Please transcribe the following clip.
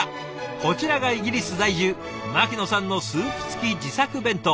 こちらがイギリス在住牧野さんのスープつき自作弁当。